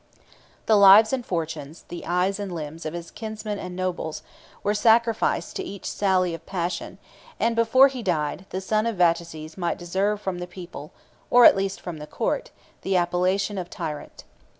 The lives and fortunes, the eyes and limbs, of his kinsmen and nobles, were sacrificed to each sally of passion; and before he died, the son of Vataces might deserve from the people, or at least from the court, the appellation of tyrant.